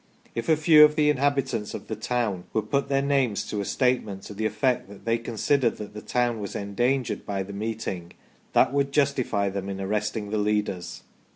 If a few of the inhabitants of the town would put their names to a statement to the effect that they considered that the town was en dangered by the meeting, that would justify them in arresting the leaders.